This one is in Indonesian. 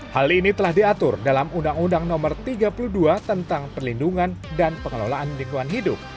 hal ini telah diatur dalam undang undang no tiga puluh dua tentang perlindungan dan pengelolaan lingkungan hidup